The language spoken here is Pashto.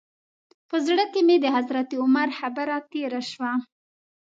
په زړه کې مې د حضرت عمر خبره تېره شوه.